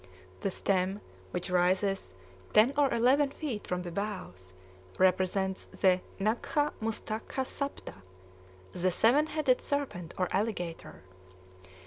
The stem, which rises ten or eleven feet from the bows, represents the nagha mustakha sapta, the seven headed serpent or alligator.